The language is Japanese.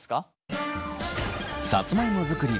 さつまいも作り